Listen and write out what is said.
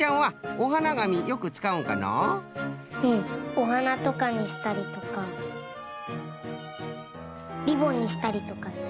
おはなとかにしたりとかリボンにしたりとかする。